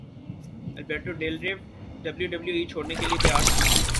Alberto Del Rio W W E چھوڑنے کے لیے تیار